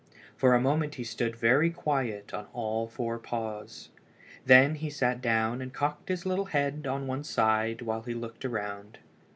For a moment he stood very quiet on all four paws. Then he sat down and cocked his little head on one side while he looked around.